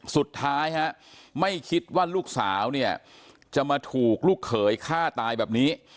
สุดท้ายไม่คิดว่าลูกสาวเนี่ยจะมาถูกลูกเขยฆ่าตายแบบนี้